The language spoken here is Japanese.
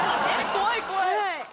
怖い怖い。